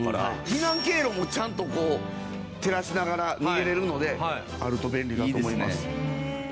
避難経路もちゃんと照らしながら逃げられるのであると便利だと思います。